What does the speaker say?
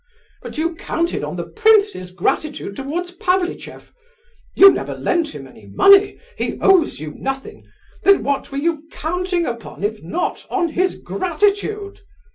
But you counted on the prince's, gratitude towards Pavlicheff; you never lent him any money; he owes you nothing; then what were you counting upon if not on his gratitude?